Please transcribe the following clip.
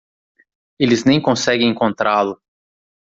Eles nem conseguem encontrá-lo.